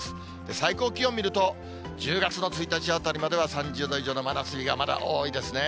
最高気温見ると、１０月の１日あたりまでは３０度以上の真夏日がまだ多いですね。